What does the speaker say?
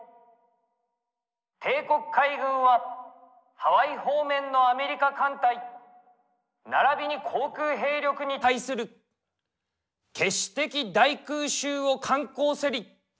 帝国海軍はハワイ方面のアメリカ艦隊ならびに航空兵力に対する決死的大空襲を敢行せり。